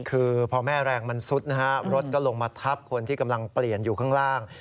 คือพอแม่แรงมันซุดนะฮะรถก็ลงมาทับคนที่กำลังเปลี่ยนอยู่ข้างล่าง